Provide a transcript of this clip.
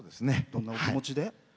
どんなお気持ちで？